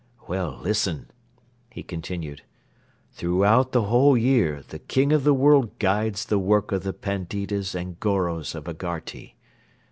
... Well, listen," he continued, "throughout the whole year the King of the World guides the work of the Panditas and Goros of Agharti.